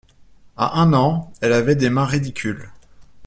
À un an, elle avait des mains ridicules.